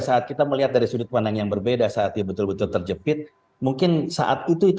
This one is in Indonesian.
saat kita melihat dari sudut pandang yang berbeda saat dia betul betul terjepit mungkin saat itu itu